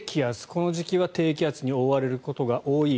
この時期は低気圧に覆われることが多い。